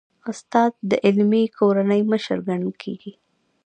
استاد د علمي کورنۍ مشر ګڼل کېږي.